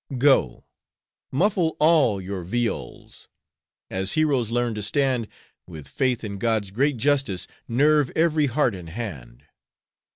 Go, muffle all your viols; As heroes learn to stand, With faith in God's great justice Nerve every heart and hand.